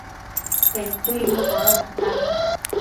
Petuidnu codocata